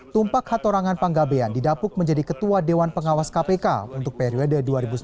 tumpak hatorangan panggabean didapuk menjadi ketua dewan pengawas kpk untuk periode dua ribu sembilan belas dua ribu dua